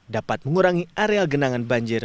dapat mengurangi area genangan banjir